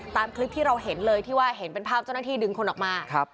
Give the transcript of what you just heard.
ตามคลิปที่เราเห็นเลยที่ว่าเห็นเป็นภาพเจ้าหน้าที่ดึงคนออกมา